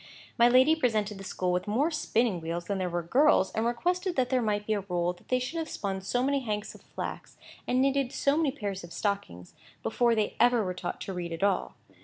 My lady presented the school with more spinning wheels than there were girls, and requested that there might be a rule that they should have spun so many hanks of flax, and knitted so many pairs of stockings, before they ever were taught to read at all.